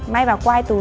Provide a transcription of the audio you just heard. may vào quai túi